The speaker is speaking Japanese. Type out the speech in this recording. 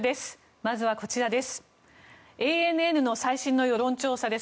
まずはこちらです。